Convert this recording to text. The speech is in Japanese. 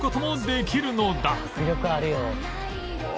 「迫力あるよ」